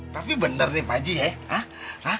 tapi bener nih bu haji ya